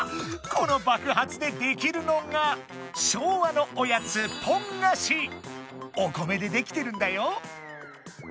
このばくはつでできるのが昭和のおやつお米でできてるんだよ。